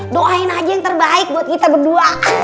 doain aja yang terbaik buat kita berdua